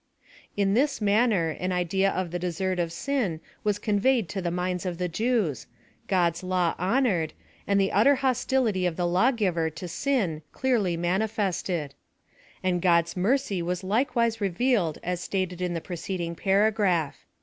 In this manner an idea of the desert of sin was conveyed to the minds of the Jews — God's law honored ; and the utter hostility of the lawgiver to sin clearly manifested ; and God's mercy w;.s like wise revealed as stated in the preceding paragraph.